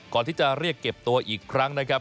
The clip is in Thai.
ก่อนที่จะเรียกเก็บตัวอีกครั้งนะครับ